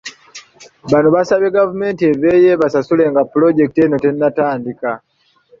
Bano basabye gavumenti eveeyo ebasasule nga ppuloojekiti eno tennatandika.